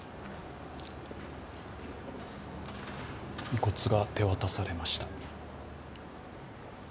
遺骨が手渡されました。